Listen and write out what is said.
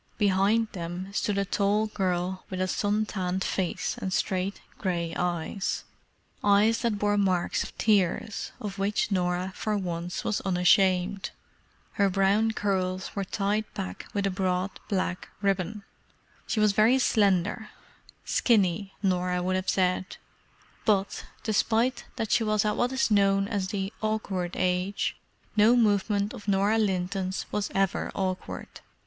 Behind them stood a tall girl with a sun tanned face and straight grey eyes—eyes that bore marks of tears, of which Norah for once was unashamed. Her brown curls were tied back with a broad black ribbon. She was very slender—"skinny," Norah would have said—but, despite that she was at what is known as "the awkward age," no movement of Norah Linton's was ever awkward.